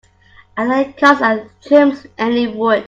A lathe cuts and trims any wood.